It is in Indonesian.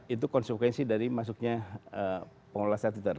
itu konsekuensi dari masuknya pengolah satelit